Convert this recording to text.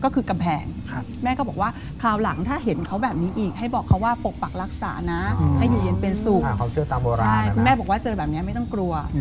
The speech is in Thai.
คุณแม่บอกว่าเจอแบบนี้ไม่ต้องกลัว